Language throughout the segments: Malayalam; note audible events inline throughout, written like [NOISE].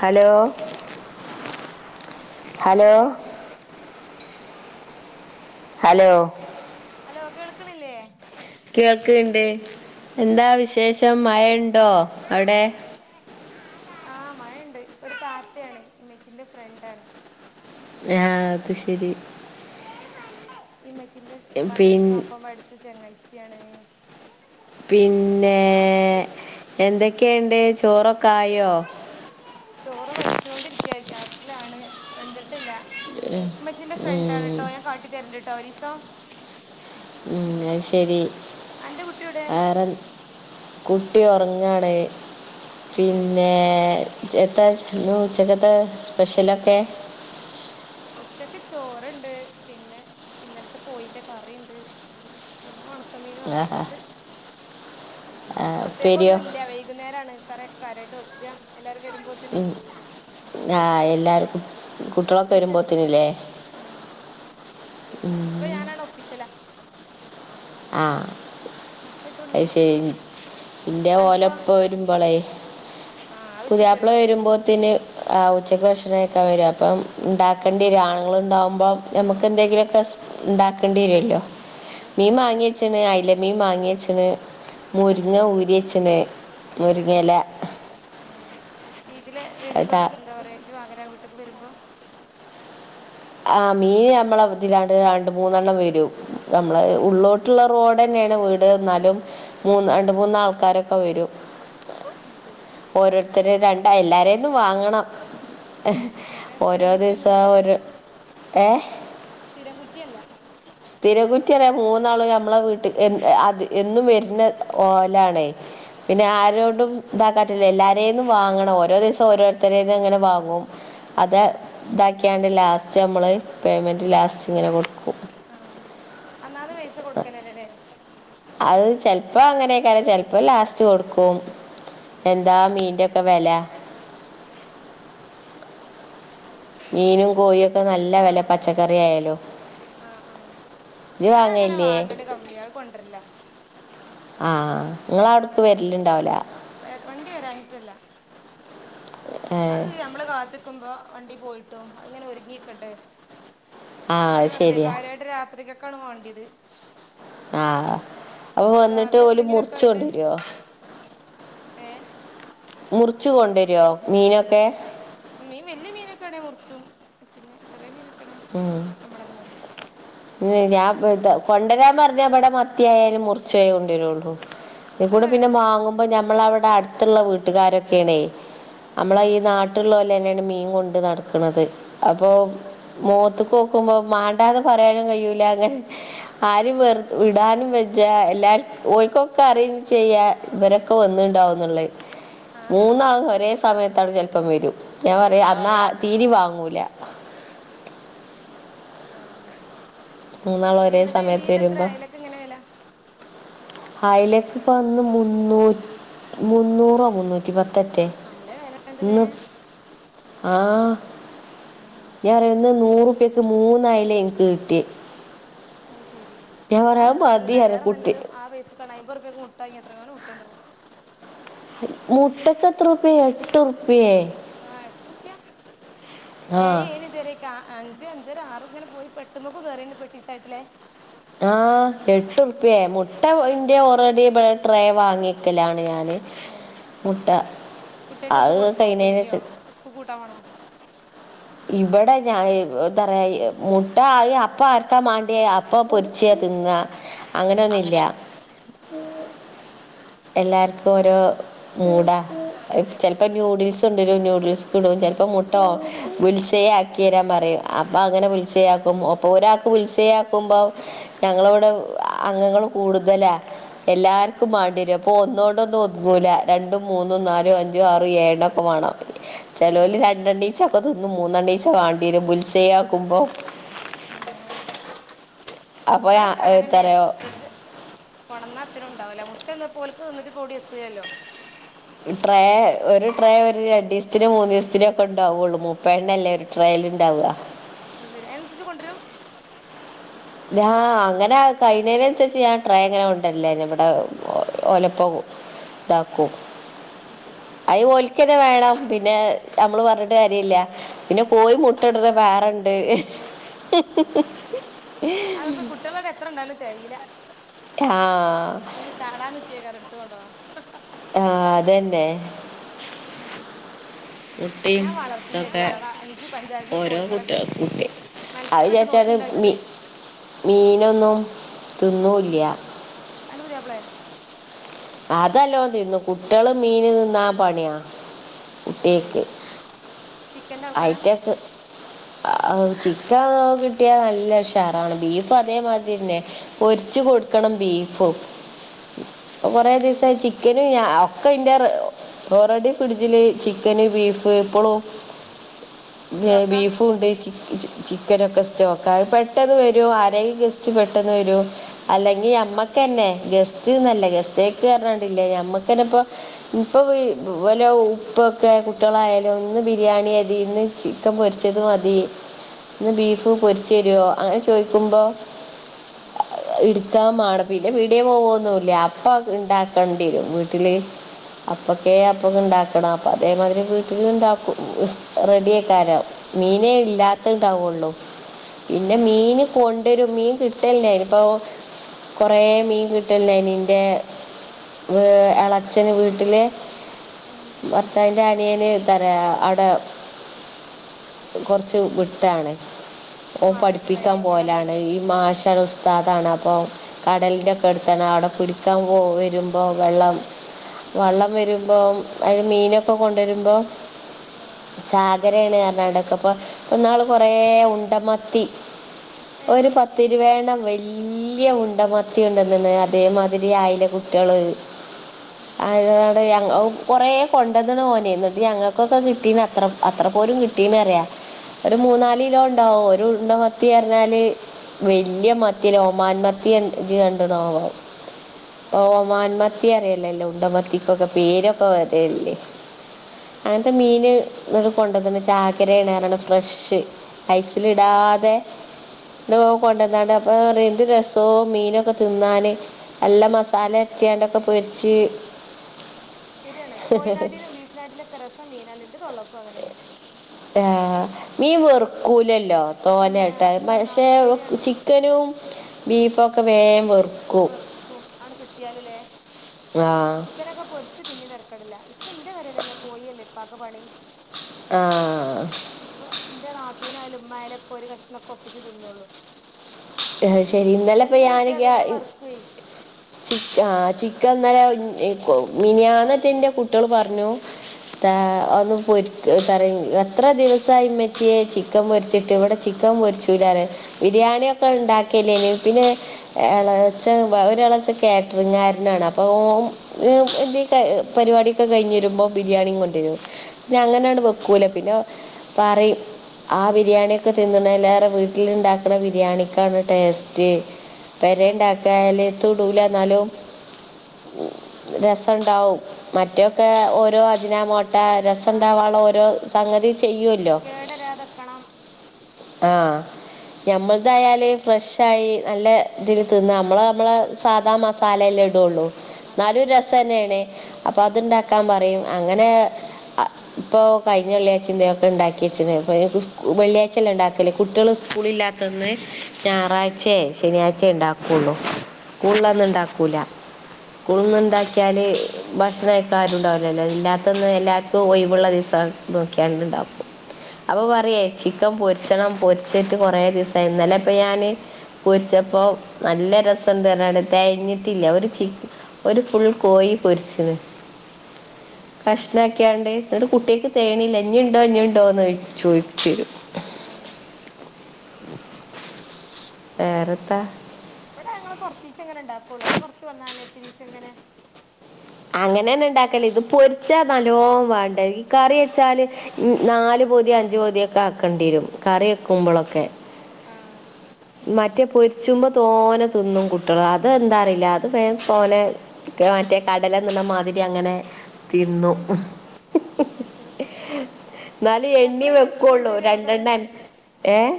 ഹലോ. ഹലോ അസ്ലാമലൈക്കും. ഹലോ. ഹലോ കേൾക്കണില്യേ. കേൾക്കിണ്ട് എന്താ വിശേഷം മഴയിണ്ടോ അവിടെ. ആഹ് മഴ്ണ്ട് ഒരു താത്തയാണ് മച്ചിന്റെ ഫ്രണ്ടാണ്. ആഹ് അത് ശരി. ഇമച്ചിന്റെ പിൻ മദ്രാസ്ന്നൊപ്പം പഠിച്ച ചെങ്ങായിച്യാണ്. പിന്നേ എന്തൊക്കെയ്ണ്ട് ചോറൊക്കായൊ. ചോറ് വെച്ചുണ്ടിരിക്ക്യ ഗ്യാസിലാണ് വെന്തിട്ടില്ല. മ്മച്ചിന്റെ ഫ്രണ്ടാണ് ഉം, ട്ടൊ ഞാൻ കാട്ടി തരണ്ടിട്ടോ ഒരീസോ. ഉം അത്ശരി എൻ്റെ കുട്ടിയുടെ വേറെ. കുട്ടി ഒറങ്ങാണ് ശരി പിന്നെ. എത്ത ന്ന് ഉച്ചക്കത്തെ സ്പഷലൊക്കെ. ഉച്ചക്ക് ചോറിണ്ട് പിന്നെ ഇന്നലത്തെ കോയിന്റെ കറിണ്ട്. പിന്നെ ഒണക്കമീനും ആഹാ. അങ്ങനെയൊക്കെണ്ട്. ആ, ഉപ്പേരിയോ പ്രത്യേകൊന്നുല്യ വൈകുന്നേരാണ് കറിയൊക്കെ കാര്യായിട്ട് വെക്ക എല്ലാരും വരുമ്പോ. ത്തിന് തെരാ. എല്ലാർക്കും കുട്ടോള് ഉം പിന്നെ ഇപ്പ ഞാനാണ് ഒപ്പി ച്ചല ന്ന ആഹ് അയ്ശരി ഇന്റെ ഓലെ അനക്കോ ഇപ്പ വരുമ്പോളെ ആ അത് ഉച്ചക്ക് പുതിയാപ്പ്ള വരുമോ വരുമ്പോത്തിന് ആഹ് ഉച്ചക്ക് ഭക്ഷണം കയിക്കാൻ വരും അപ്പം ഇണ്ടാക്കേണ്ടിരും ആണുങ്ങള് ണ്ടാവുമ്പോം ആ ഞമ്മക്ക് ആ, എന്തെങ്കിലൊക്കെ ഇണ്ടാക്കേണ്ടിരല്ലോ അതെ മീൻ വാങ്ങി വങ്ങിച്ചണ് അയ്ലമീൻ മാങ്ങിച്ചണ് മുരിങ്ങ ഊരിച്ചണ് ഉം ഇതില് വരുമ്പോ അതാ എന്താ പറയാ ജ്ജ് വാങ്ങലവീട്ട്ക്ക് വരുമ്പോ ആഹ് മീൻ ഞമ്മള ഇതിലാണ്ട് രണ്ട് മൂന്നെണ്ണം വരും നമ്മള ഉള്ളോട്ട് ട്ട്ള്ള റോഡെന്നേണ് വീട് എന്നാലും മൂന്ന് രണ്ട് മൂന്നാൾക്കാരൊക്കെ വരും അയ്ശരി ഓരോരുത്തര് രണ്ടാ എല്ലാവരെന്നും വാങ്ങണം ഉം, അങ്ങനെ ഓരോ സ്ഥിരം കുറ്റിയൊന്നും ദിവസം അല്ല ഓരോ ഏഹ് സ്ഥിരം കുറ്റിയല്ല തിരകുറ്റിയര മൂന്നാളും നമ്മളെ വീട്ടിക്ക് എ അത് എന്നും വരുന്ന ഓലാണേ പിന്നെ ആഹ് ആരോടും ഇതാക്കാത്തില്ല എല്ലാരേന്നും വാങ്ങണം ഓരോ ദിവസം ഓരോരുത്തരേന്നും അങ്ങനെ വാങ്ങും അത് ആഹ് ആഹ് ഇതാക്കിയാണ്ട് ലാസ്റ്റ് നമ്മള് പേയ്മെന്റ് ലാസ്റ്റ് ഇങ്ങനെ കൊടുക്കും ആഹ് അന്നാന്ന് പൈസ കൊടുക്കല ല്ല ലേ അത് ചെലപ്പോ അങ്ങനായിക്കാരം ചെലപ്പോ ലാസ്റ്റ് കൊടുക്കും എന്താ മീന്റൊക്കെ വെല മീനും കോയൊക്കെ നല്ല ഹലോ വെല പച്ചക്കറി ആയാലും ഇത് ഞാൻ അങ്ങനെ വാങ്ങയില്ലേ വാങ്ങല് കമ്മിയ അത് കൊണ്ടരല്ല ആഹ് ഇങ്ങളവിടക്ക് വരലിണ്ടാവുല വ വണ്ടി വരാഞ്ഞിട്ടല്ല ഏഹ് അത് നമ്മള് കാ ത്ക്കുമ്പോ വണ്ടി പോയിട്ടും അങ്ങനെ ഒരുങ്ങിക്കണ്ടെ ആഹ് പിന്നെ അത് ഞാൻ പറഞ്ഞില്ലേ ശരിയാ കാര്യായിട്ട് രാത്രിക്കക്കാണ് മാണ്ടിയത് ആ വന്നിട്ട് രാവിലെ ഓല് എത്തെങ്കിലൊക്കെ മുറിച്ചൊണ്ടരോ ഏ മുർച്ച് കൊണ്ടരോ മീനൊക്കെ മീൻ വല്യ മീനൊക്കെ ആണെ മുറിച്ചും പിന്നെ ചെറി മീന ഉം നമ്മളെന്നെ മുറിക്കും ഞാപ്പ ത്ത കൊണ്ടരാൻ പറഞ്ഞ ഇവടെ മത്തിയാലും മുറിച്ചേയ് കൊണ്ടരുള്ളു അതി കൂടെ അല്ലേ പിന്നെ മാങ്ങുമ്പോ ഞമ്മളവിടെ അടുത്തുള്ള വീട്ടുകാരക്കേണേ നമ്മളേ ആഹ് ഈ നാട്ടുള്ളോലെന്നേണ് മീൻ കൊണ്ട് നടക്കണത് അപ്പൊ മോത്തക്കോക്കുമ്പോ മാണ്ടാന്ന് പറയാനും കയൂല അങ്ങനെ ആരും വെർ വിടാനും വജ്ജ എല്ലാരും ഓല്ക്കൊക്കെ അറിയും ചെയ്യാ ഇവരൊക്കെ വന്നുണ്ടാവുന്നുള്ളേ ആഹ് ആഹ് ആഹ് മൂന്നാള് ഒരേ സമയത്താണ് ചെലപ്പം വരും ഞാൻ ഏഹ് പറയും അന്നാ തീരീം വാങ്ങൂല മൂന്നാളും ഒരേ എന്നിട്ട് സമയത്ത് മീൻ എത്ര വരുമ്പോ അയിലക്ക് എങ്ങനെ വെല അയിലക്ക് ഇപ്പ ന്ന് മുന്നൂറ്റ് മുന്നൂറോ മുന്നൂ റ്റി പ്പത്തേറ്റെ നല്ല വില ഉണ്ടല്ലേ ഇന്ന് ആ ഞാൻ റിയന്ന് നൂറുപ്യക്ക് മൂന്നയിലെ എനിക്ക് കിട്ടി അ്യ്ശരി ഞാൻ പറയാ അത് മതി ഞ്ഞാത്താട്ടല്ന്നാ പറയാ അയ്ലേറെ കുട്ടി നല്ലത് ആ പൈസക്കാണ്ട് അയ്മ്പുർപ്പ്യക്ക് മുട്ട വാങ്ങിയ എത്രങ്ങാനം മുട്ടണ്ടാവും മുട്ടക്ക് എത്രുപ്പിയെ എട്ട് ഉറുപ്യേ ആ എട്ട് റുപ്യ ആ ഏയ് ഏയര്ന്ന് ഇതരെ അഞ്ച് അഞ്ചര ആറും ഇങ്ങനെ പോയി പെട്ടുമക്ക് കേറീണ്ട് ഇപ്പ എട്ടീസായിട്ടില്ലേ ആ എട്ട്റുപ്പ്യ മുട്ട ഇന്റെ ഓറെഡി ഇവിടെ ട്രെ വാങ്ങിക്കലാണ് ഞാൻ കുട്ടിയേക്ക് എന്നും അത് കൊടുക്കോ കഴിഞ്ഞതിന് പുയിങ്ങിയോ ശേ- സ്കൂക്ക് കൂട്ടാൻ വേണോ ഇവടെ ഞാ എത്ത റയ മുട്ട ആയി അപ്പ ആർക്കാ മാണ്ടിയ പ്പൊ പൊര്ച്ചേ തിന്ന അങ്ങനെന്നില്യ അയ്ശരി എല്ലാര്ക്കോരോ മൂടാ ഇടക്കിടക്ക് ഇങ്ങനെ മുട്ട വേണ്ടി വരൂലേ ചെ പ്പ നൂഡിൽസ് കൊണ്ടരും നൂഡിൽസ്ക്ക് ഇടും ചെലപ്പോ മുട്ട ബുൽസയ് ആക്കിയരാൻ പറഞ്ഞ് അപ്പൊ അങ്ങനെ ബുൽസയ് ആക്ക അപ്പൊ ഒരാക്ക് ബുൽസയാക്കുമ്പോ ഞങ്ങളിവിടെ അംഗങ്ങള് കൂടുതലാ എല്ലാർക്കും മാണ്ടിരും അപ്പൊ ഒന്നുകൊണ്ടൊന്നും ഒതുങ്ങൂല രണ്ടും മൂന്നും നാലും അഞ്ചു ആറ് ഏഴ്‌ എണ്ണം ഒക്കെ വേണം ചലോല് രണ്ടണ്ണീച്ച ഒക്കെ തിന്നും മൂന്നണ്ണീച്ച വാണ്ടിവരും ബുൽസയ് ആക്കുമ്പോ അപ്പോൾ ടെക്കെ അങ്ങനന്നെ എത്ര കൊടന്നാത്തിനുണ്ടാവുല്ല മുട്ട എന്നും ഓല്ക്ക് തിന്നിട്ട്പ്പ ഓടി എത്തൂല്ലല്ലോ ട്രേ ഒരു ട്രേ ഒരു രണ്ടീസത്തിന് മൂന്നീസത്തിനൊക്കെ ഇണ്ടാവൊള്ളോ മുപ്പെണ്ണല്ലേ ട്രേല് ണ്ടാവ അത് ശരി അയ്നന്സരിച്ച് കൊണ്ടരും ആ അങ്ങനെ കയിനേനന്സരിച്ച് ഞാൻ ട്രേ അങ്ങനെ കൊണ്ടരലാ ഞമ്മടെ ഓലപ്പം താക്കും അയ്ശരി അയ് ഓല്ക്കനെ വേണം പിന്നെ നമ്മള് പറഞ്ഞിട്ട് കാര്യല്ല പിന്ന കോയി മുട്ട ഇടണ വേറണ്ട് [UNINTELLIGIBLE] അതപ്പോ കുട്ടികളടെ എത്ര ണ്ടായാലും തെയീല ആഹ് ഉം ചാടാൻ നിക്കെയ്ക്കാരം ഇട്ത്ത് കൊണ്ടോവാൻ ആ അതന്നെ മുട്ടിയും ഞാൻ വളർത്തിനടി തൊക്കെ നാളെ അഞ്ച് പഞ്ചായത്തിൽ നിന്ന് ഓരോ കോഴിക്കളൊക്കെ കുട്ടിയെൾക്കും കിട്ടി കുട്ടി അത് മെനക്കിട്ട് നോക്കി ചാരിച്ചാട്ട് മി ഉണ്ടാക്കിയേ മീനൊന്നും തിന്നുല്യ അന്റ പുതിയാപ്ലെ അത് നല്ലോ തിന്നും കുട്ട്യേള് മീന് തിന്നാ പണിയാ ആ സെരി അയിറ്റേക്ക് ആ ചിക്കൻ കിട്ടിയാ നല്ല ഉഷാറാണ് ബീഫും അതേമാതിരിന്നെ പൊരിച്ച് കൊടുക്കണം ബീഫും ഇപ്പ കൊറേ അത് ശരി ദിവസായി ചി ചിക്കന് ഞ ഒക്കെ ഇൻ്റെ ഓറെഡി ഫ്രിഡ്ജില് ചിക്കന് ബീഫ് എപ്പളും ന്നെ സ്റ്റോക്കാ ബീഫും ഉണ്ട് ചി ചിക്കനൊക്കെ സ്റ്റോക്കാ പെട്ടെന്ന് വരും ആരെങ്കിലും ഗസ്റ്റ് പെട്ടെന്ന് വരും അല്ലെങ്കി ആ ഞമ്മക്കന്നെ ഗസ്റ്റ്ന്നല്ല ഗസ്റ്റേക്ക് പറഞാണ്ടില്ലേ ഞമ്മക്കന്നെ ഇപ്പൊ ഇപ്പൊ വീ വലെ ഉപ്പൊക്കെ കുട്ട്യേളായാലും ഒന്ന് ബിരിയാണി ഇര്ന്ന് ചിക്കൻ പൊരിച്ചത് മതി ഇന്ന് ബീഫ് പൊരിച്ചെരോ അങ്ങനെ ചോയ്ക്കുമ്പോ എടുക്കാൻ മാണം പിന്നെ പിട്യേ പോവന്നുല്യ അപ്പ ഇണ്ടാക്കണ്ടിരും വീട്ടില് അത് ശരി അപ്പൊക്കെ അപ്പൊ ഇണ്ടാക്കണം അപ്പൊ അതേമാതിരി വീട്ടില് ഇണ്ടാക്കും റെഡി ആയിക്കാരം മീനേ ഇല്ലാത്തണ്ടവുള്ളൂ പിന്നെ മീന് കൊണ്ടരും മീൻ കിട്ടലെനിപ്പോ കൊറേ മീൻ കിട്ടലിണ്ടെനി ന്റെ വ് എളച്ചന് വീട്ടില് ഉം. ഭർത്താവിന്റെ ആനിയന് തരേ അവടെ കുറച്ച് വിട്ടാണ് ഓ മാർക്കറ്റ് പഠിപ്പിക്കാൻ ഉണ്ടായിനിയോ കട പോലാണ് ഉണ്ടായിനിയോ ഈ മാഷാവ് സ് ത്താ അതാണ് അപ്പം കടലിൻ്റെൊക്കെ ഉം. എടുത്താണ് അവിടെ കുടിക്കാൻ പോ വരുമ്പോൾ വെള്ളം വള്ളം വരുമ്പോ അതില് മീനൊക്കെ കൊണ്ടുവരുമ്പോ ആ. ചാഗരയാണ് ന്നറിഞ്ഞാണ്ടോക്കെ പ്പം നാള് കുറെേ ഉണ്ടമത്തി ഏ ഒരു പത്ത് ഇരുപേ എണ്ണം വല്യ ഉണ്ട മത്തിയോണ്ടോന്ന്ണ് അതേമാതിരി ആയില കു ട്ട്യേൾ [UNINTELLIGIBLE] കൊറെ കൊണ്ടന്ന്ണ് ഓന് ന്ന്ട്ട് ഞങ്ങൾക്കൊക്കെ കിട്ടീകണ് അത്ര അത്ര പോലും കിട്ടീന്ന അറിയ ഒരു ആ മൂന്നാാല കിലോ ഉണ്ടാവോ ഒരു ഉണ്ടോ മത്തി അറിഞ്ഞാല് വല്യ അത് ശരി മത്തിയലെ ഒമാന്മത്തിയ ജ് കൺഡ്ണോ ആ ഒ ആ മാൻമത്തി അറിയല്ലല്ലോ ഉണ്ടമത്തിക്കൊക്കെ പേരൊക്കെ വരല്ലേ അത് ശരി അങ്ങനത്തെ മീന് കൊണ്ടന്ന്ണ് ചാക്കരണ് ന്നറിഞ്ഞാണ്ട് ഫ്രഷ് ഉം. ഐസിലിടാതെ ത്രോ കൊണ്ടന്നാണ്ട് അപ്പൊ എന്ത് രസവുംോ മീനൊക്കെ തിന്നാന് നല്ല മസാല എത്തിയണ്ടൊക്കെ പൊരിച്ച് ശരിയാണ് കോയനാട്ടിലും ബീഫ്നാട്ടിലും ഒക്കെ രസം മീനാലെ ന്റെ തുൊള്ളക്കും അങ്ങനന്നെ ആ മീൻ വെർക്കൂലല്ലോ ഇല്ല തോലായിട്ടാ എത്ര പക്ഷേ എന്നാലും ശരിയാണ് ചിക്കനും ബീഫൊക്കെ വേ വെർ വെറുക്കും ആണ് കിട്ടിയാലല്ലേ ആഹ് ചിക്കനൊക്കെ പൊരിച്ച് പിന്നെ തിറക്കടില്ല ഇപ്പൊ ന്റെ വരലെന്നെ കോഴല്ലേ ഇപ്പാക്ക് പണി ആഹ് ഇപ്പൊ ഇന്റെ നാത്തുനായാലു ഉമ്മായലൊക്കെ ഒരു കഷ്ണക്കെ ഒപ്പിച്ച് തിന്നൊള്ളൂ ശരി ശരി ഇന്നലെ ഇപ്പൊ കിട്ടിയാൽ ഞാനൊക്കെ വേഗം വറുക്കുവേ ആ ചിക്കൻന്നലെ [UNINTELLIGIBLE] മിനിയാന്നറ്റേ ഇന്റെ കുട്ട്യേൾ പറഞ്ഞു താ ഒന്ന് പൊരിക് പറയു എത്ര ദിവസയി മച്യേ ച്ചി ചിക്കൻ മൊരിച്ചിട്ട് ഇവിടെ ചിക്കൻ മൊരിച്ചൂലലെ ബിരിയാണിയൊക്കെ ഉണ്ടാക്കില്ലേന് പിന്നെ എളച്ച ഒരെളച്ച കാറ്ററിംഗാരനാണ് അപ്പൊ ഒ എ എന്തേൽകെ പരിപാടിൊക്കെ കഴിഞ്ഞു വരുമ്പോ ബിരിയാണിം കൊണ്ടുവരും ഞാൻ അങ്ങനെണ്ട് വെക്കൂല പിന്നെ പറയും ആ ബിരിയാണിയൊക്കെ തിന്നണലേറെ വീട്ടിൽ ഇണ്ടാക്ക്ണ ബിരിയാണി ആണ് ടേസ്റ്റ് പെരേ ആ ആ ഇണ്ടാക്കായാല് തുടൂല എന്നാലും ആ രസം ഇണ്ടാവും മറ്റെ ഒക്കെ ഓരോ അജിനാ മോട്ട ആ ആ രസംണ്ടാവള്ള ഓരോ സംഗതി ചെയ്യു ഉം. ല്ലോ കേടരാതെക്കണം ആഹ് ഞമ്മളതായാൽ ഫ്രഷായി നല്ല ഇതിൽ തിന്നാ നമ്മൾ ഉം, നമ്മളെ സാധാ മസാല അല്ലേ ഇടുഒള്ളൂ ഇന്നാലും അത് ഒരു രസെന്നെണ് അപ്പൊ നല്ല അത്ണ്ടാക്കാൻ രസം പറയും അങ്ങനെ ഇപ്പോൾ കഴിഞ്ഞ വെള്ളിയാഴ്ച ഇതൊക്കെ ഇണ്ടാക്കി വച്ച്ണ് വെള്ളിയാഴ്ച അല്ലെ ഉണ്ടാക്കല് കുട്ടികൾ സ്കൂള് ഇല്ലാ ത്ത അന്ന് ഞായറാഴ്ച്ചേ ശനിയാഴ്ച്ചേ ഉണ്ടാക്കുള്ളു ആ സ്കൂൾള്ള അന്ന് ആ ഉണ്ടാക്കൂല സ്കൂളന്ന് ഇണ്ടാക്കിയാൽ ഭക്ഷണം കയിക്കാൻ ആരും ഉണ്ടാവൂലല്ലോ ഇല്ലാത്തന്ന് എല്ലാർക്കും ഒയിവ് ഇള്ള ദിവസമാണ് നോക്കിയാണ്ട്ണ്ടാക്കും അപ്പൊ പറയേ ചിക്കൻ പൊരിച്ചണം പൊരിച്ചിട്ട് കൊറേ ദിവസായി ഇന്നലെ ഇപ്പ ഞാന് പൊരിച്ചപ്പോ നല്ല രസംണ്ട് പറഞ്ഞാണ്ട് തെകഞ്ഞിട്ടില്ല അവര് ചി ഒരു ഫുൾ കോഴി പൊരിച്ചത് ആ ശരി കഷ്ണംആക്ക്യാണ്ട് എന്നട്ട് കുട്ട്യാക്ക് തെകയിണില്ല ഇഞ്ഞ് ഇണ്ടോ ഇനി ഇണ്ടോന്ന് ചോദിച്ചു വെരും ഏഹ് [UNINTELLIGIBLE] വേറെത്താ ഞാങ്ങള് കൊറച്ചീച്ചങ്ങെനെ ഇണ്ടാക്കൊള്ളൂ ഞാൻ കൊറച്ച് കൊടന്നാല് ഇത്തിരീച്ച ഇങ്ങനെ അങ്ങനെന്നെ ഇണ്ടാക്കല് ഇത് പൊരിച്ചാ നല്ലോം വേണ്ടെ ഈ കറി വെച്ചാല് നാലു പൊതി അഞ്ചു പൊതിയൊക്കെ ആക്കേണ്ടി വരും കറി വെക്കുമ്പോളൊക്കെ ആഹ് മറ്റേ പൊരിച്ചുമ്പോ തോനെ തിന്നും കുട്ട്യാള് അത് എന്താറിയില്ല അത് വേം തോനെ അത്‌ മറ്റേ കടല തിന്ന്‌ണ മാതിരി അങ്ങനെ തിന്നു അയിശെരി എന്നാല് എണ്ണീ വെക്കു ഒള്ളൂ മക്കള് രണ്ടെണ്ണം അൻക്ക് ഏഹ്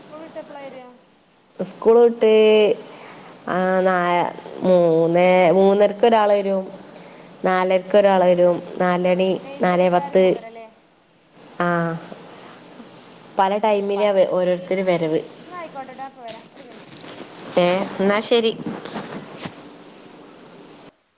സ്കൂളിട്ട് എപ്പളാ വെരാ സ്കൂള് വിട്ട് ആ നാ മൂന്നേ മൂന്നരക്ക് ഒരാൾ വരും നാലരക്കൊരാള് വരും ആ നാലണി നാലേ നഴ്സറിക്കാർ പത്ത് മൂന്നര അല്ലേ ആഹ പല ടൈമിലാ അവ ഓരോരുത്തര് വരവ് എന്നാ ആയിക്കോട്ടെ ട്ടാ, അപ്പൊ വരാം ഒരു മിനിറ്റ് ഏഹ് ഇന്നാ ശരി